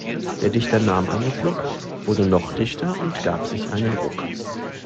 Der Dichter nahm einen Schluck, wurde noch dichter und gab sich einen Ruck.